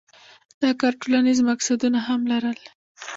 دا کار ټولنیز مقصدونه هم لرل.